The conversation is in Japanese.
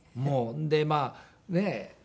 でまあねえ